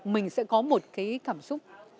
mình sẽ có một cái cảm xúc